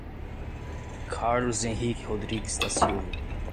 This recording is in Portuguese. Carlos Henrique Rodrigues da Silva